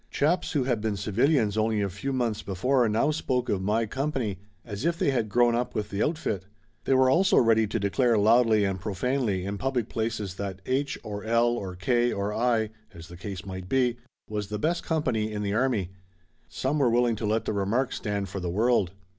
Chaps who had been civilians only a few months before now spoke of "my company" as if they had grown up with the outfit. They were also ready to declare loudly and profanely in public places that H or L or K or I, as the case might be, was the best company in the army. Some were willing to let the remark stand for the world.